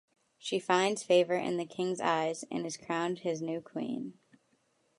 She finds favour in the King's eyes, and is crowned his new queen.